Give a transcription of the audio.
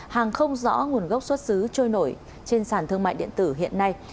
hàng không rõ nguồn gốc xuất xứ trôi nổi trên sàn thương mại điện tử hiện nay